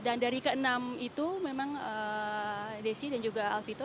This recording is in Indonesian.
dan dari keenam itu memang desi dan juga alfito